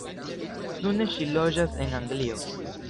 Nune ŝi loĝas en Anglio.